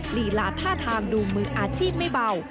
ลีลาท่าทางดูมืออาชีพไม่เบา